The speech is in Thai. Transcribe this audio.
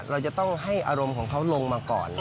เราจะต้องให้อารมณ์ของเขาลงมาก่อน